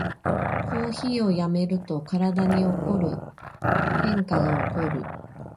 コーヒーをやめると体に起こる変化がおこる